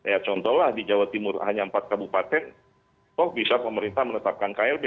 ya contohlah di jawa timur hanya empat kabupaten toh bisa pemerintah menetapkan klb